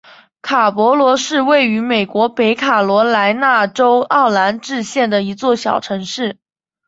卡勃罗是位于美国北卡罗来纳州奥兰治县的一座小城市。